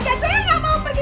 gak gak saya gak mau pergi